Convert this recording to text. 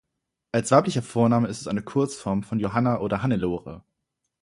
Als weiblicher Vorname ist es eine Kurzform von Johanna oder Hannelore.